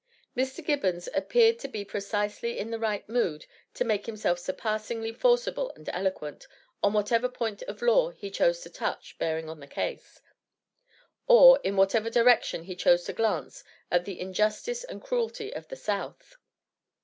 Mr. Gibbons appeared to be precisely in the right mood to make himself surpassingly forcible and eloquent, on whatever point of law he chose to touch bearing on the case; or in whatever direction he chose to glance at the injustice and cruelty of the South.